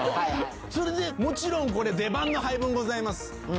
それでもちろん出番の配分ございます。